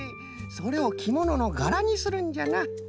それをきもののがらにするんじゃな。